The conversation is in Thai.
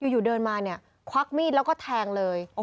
อยู่เดินมาเนี่ยควักมีดแล้วก็แทงเลย